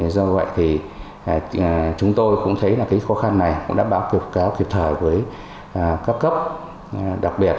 do vậy thì chúng tôi cũng thấy khó khăn này đã báo kịp thời với các cấp đặc biệt